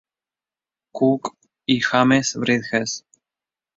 Cook y James Bridges.